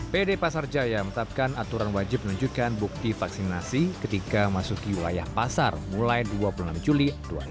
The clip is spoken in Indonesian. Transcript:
pd pasar jaya menetapkan aturan wajib menunjukkan bukti vaksinasi ketika masuk ke wilayah pasar mulai dua puluh enam juli dua ribu dua puluh